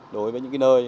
đối với những cái nơi